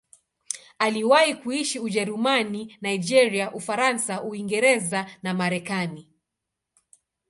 Aliwahi kuishi Ujerumani, Nigeria, Ufaransa, Uingereza na Marekani.